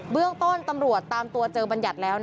เรื่องต้นตำรวจตามตัวเจอบัญญัติแล้ว